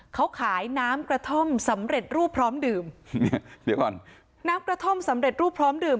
เขาขายน้ำกระท่อมสำเร็จรูปพร้อมดื่มเนี่ยเดี๋ยวก่อนน้ำกระท่อมสำเร็จรูปพร้อมดื่ม